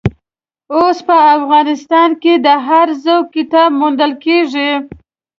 اوس په افغانستان کې د هر ذوق کتاب موندل کېږي.